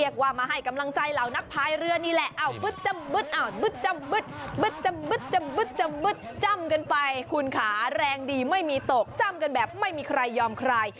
จะจำเพลินเพลินไปหน่อยจำไปจำไปจำจมจม